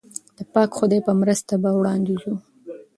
د پاک خدای په مرسته به وړاندې ځو.